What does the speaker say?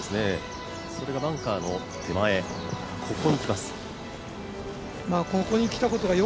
それがバンカーの手前、ここにきます。